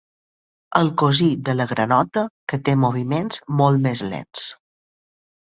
El cosí de la granota que té moviments molt més lents.